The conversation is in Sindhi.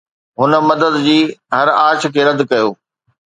هن مدد جي هر آڇ کي رد ڪيو